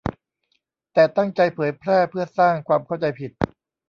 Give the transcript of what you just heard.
แต่ตั้งใจเผยแพร่เพื่อสร้างความเข้าใจผิด